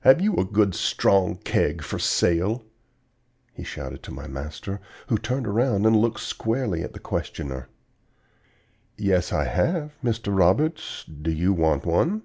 "'Have you a good strong keg for sale?' he shouted to my master, who turned round and looked squarely at the questioner. "'Yes, I have, Mr. Roberts. Do you want one?'